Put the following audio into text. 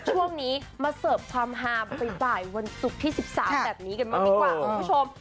ช่วงนี้มาเสิร์ฟความฮามบ่ายวันศุกร์ที่๑๓แบบนี้กันบ้างดีกว่าคุณผู้ชม